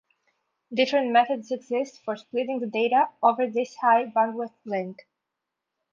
Different methods exist for splitting the data over this high bandwidth link.